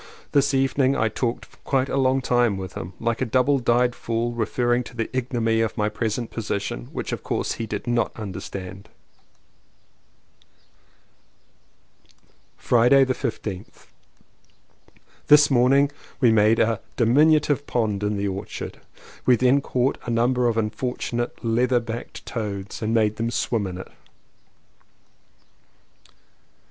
This evening I talked quite a long time with him; like a double dyed fool referring to the ignominy of my present position, which of course he did not understand. Friday the 15th. This morning we made a diminutive pond in the orchard. We then caught a number of unfortunate leather backed toads and made them swim in it.